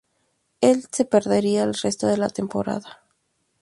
Él se perdería el resto de la temporada.